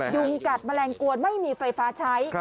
ยุงกัดแมลงกวนไม่มีไฟฟ้าใช้